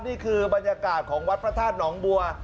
นี่คือบรรยากาศของวัดพระธาตุหนองบัว